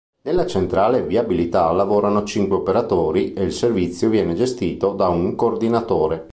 Nella centrale viabilità lavorano cinque operatori e il servizio viene gestito da un coordinatore.